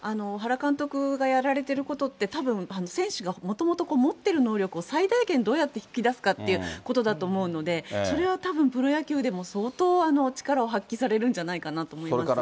原監督がやられてることって、たぶん、選手がもともと持ってる能力を最大限どうやって引き出すかということだと思うので、それはたぶん、プロ野球でも相当力を発揮されるんじゃないかなと思います。